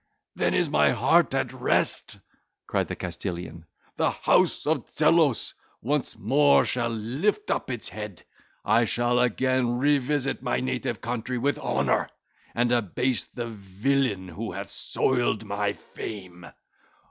"Then is my heart at rest!" cried the Castilian; "the house of Zelos once more shall lift up its head. I shall again revisit my native country with honour, and abase the villain who hath soiled my fame!